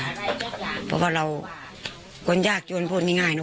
เพราะว่าเราคนยากย้อนพูดไม่ง่ายนะ